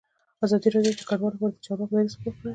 ازادي راډیو د کډوال لپاره د چارواکو دریځ خپور کړی.